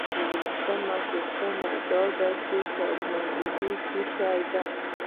یوولسمه پوښتنه دا ده چې سازماندهي څه شی ده.